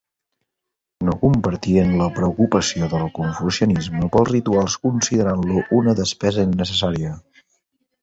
No compartien la preocupació del confucianisme pels rituals considerant-lo una despesa innecessària.